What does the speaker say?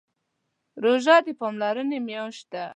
روژه د پاملرنې میاشت ده.